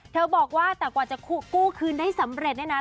บอกว่าแต่กว่าจะกู้คืนได้สำเร็จเนี่ยนะ